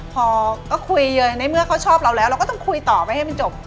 พอก็คุยเลยในเมื่อเขาชอบเราแล้วเราก็ต้องคุยต่อไปให้มันจบ